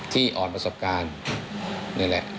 อ่อนประสบการณ์นี่แหละ